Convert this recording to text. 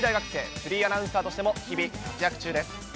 フリーアナウンサーとしても日々活躍中です。